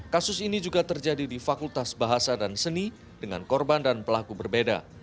kasus ini juga terjadi di fakultas bahasa dan seni dengan korban dan pelaku berbeda